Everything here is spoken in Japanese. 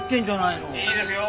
いいですよ。